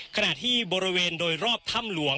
ขณะที่บริเวณโดยรอบถ้ำหลวง